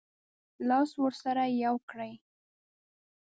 لاس ورسره یو کړي.